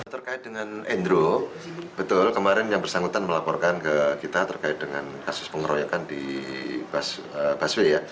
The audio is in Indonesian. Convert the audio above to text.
terkait dengan andrew betul kemarin yang bersangkutan melaporkan ke kita terkait dengan kasus pengeroyokan di busway ya